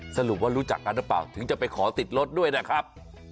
สรุปว่ารู้จักกันหรือเปล่าถึงจะไปขอติดรถด้วยนะครับ